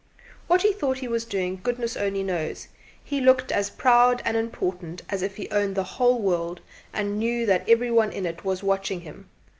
What he thought he was doing, goodness only knows; he looked as proud and important as if he owned the whole world and knew that every one in it was watching him.